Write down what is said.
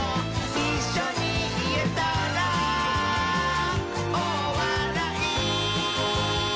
「いっしょにいえたら」「おおわらい」